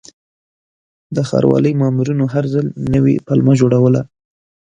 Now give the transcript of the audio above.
د ښاروالۍ مامورینو هر ځل نوې پلمه جوړوله.